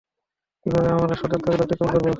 কীভাবে আমরা সদর দরজা অতিক্রম করব?